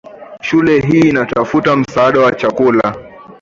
Shule hii inatafuta msaada wa chakula.